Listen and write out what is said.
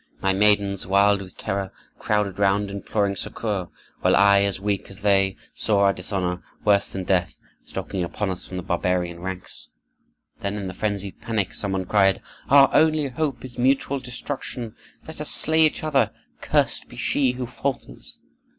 My maidens, wild with terror, crowded round, imploring succor; while I, as weak as they, saw our dishonor, worse than death, stalking upon us from the barbarian ranks. "Then, in the frenzied panic, some one cried, 'Our only hope is mutual destruction! Let us slay each other, cursed be she who falters!